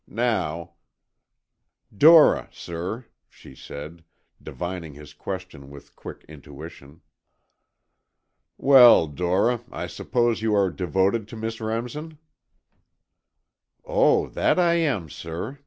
Now——" "Dora, sir," she said, divining his question with quick intuition. "Well, Dora, I suppose you are devoted to Miss Remsen?" "Oh, that I am, sir.